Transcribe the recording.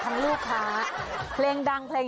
เง้นเง้น